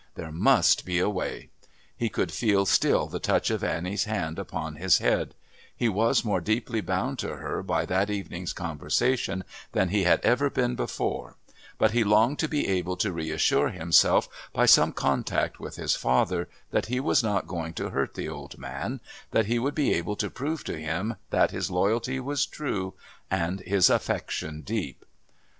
There must be a way. He could feel still the touch of Annie's hand upon his head; he was more deeply bound to her by that evening's conversation than he had ever been before, but he longed to be able to reassure himself by some contact with his father that he was not going to hurt the old man, that he would be able to prove to him that his loyalty was true and his affection deep.